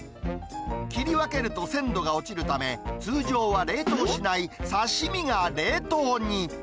切り分けると鮮度が落ちるため、通常は冷凍しない刺し身が冷凍に。